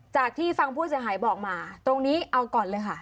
จากที่ฟังผู้เสียหายบอกมาตรงนี้เอาก่อนเลยค่ะ